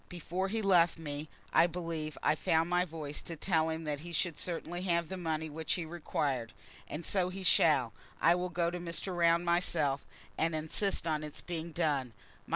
Before he left me, I believe I found my voice to tell him that he should certainly have the money which he required. And so he shall. I will go to Mr. Round myself, and insist on its being done.